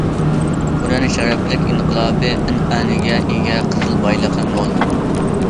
خۇنەن شەرەپلىك ئىنقىلابىي ئەنئەنىگە ئىگە، قىزىل بايلىقى مول.